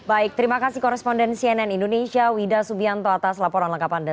baik terima kasih koresponden cnn indonesia wida subianto atas laporan lengkap anda